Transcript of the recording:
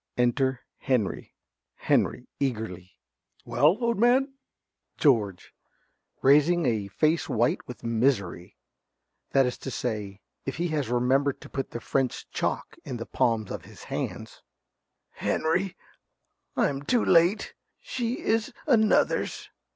Enter Henry. ~Henry~ (eagerly). Well, old man? ~George~ (raising a face white with misery that is to say, if he has remembered to put the French chalk in the palms of his hands). Henry, I am too late! She is another's!